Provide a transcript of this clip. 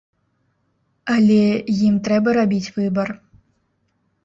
Але ім трэба рабіць выбар.